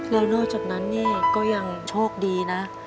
เริ่มรอบจบนั้นก็ยังโชคดีนะ